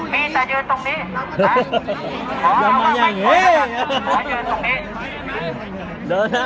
มีแต่มีจะยืนตรงนี้